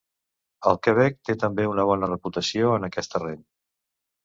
El Quebec té també una bona reputació en aquest terreny.